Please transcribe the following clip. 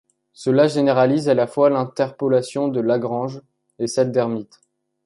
Cela généralise à la fois l'interpolation de Lagrange et celle d'Hermite.